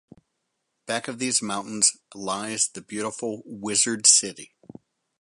Back of these mountains lies the beautiful Wizard City.